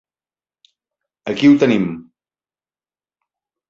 Aquí ho tenim.